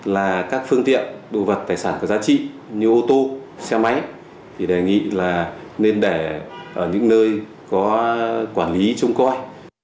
đối với các chủ xe ô tô thì không nên để đồ vật tài sản có giá trị như ô tô xe máy thì đề nghị là nên để ở những nơi có quản lý chung coi